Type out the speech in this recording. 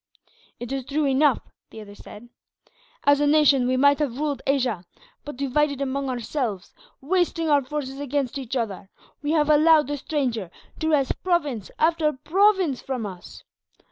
"It is true enough," the other said. "As a nation we might have ruled Asia but, divided among ourselves, wasting our forces against each other, we have allowed the stranger to wrest province after province from us.